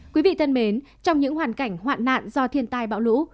quý vị thân mến trong những hoàn cảnh hoạn nạn do thiên tai bão lũ